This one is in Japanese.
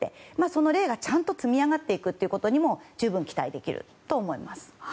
その例が、ちゃんと積み上がっていくということにも十分、期待できると思います。